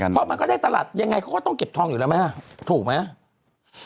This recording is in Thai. เพราะมันก็ได้ตลาดยังไงเขาก็ต้องเก็บทองอยู่แล้วไหมล่ะถูกไหม